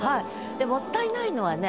でもったいないのはね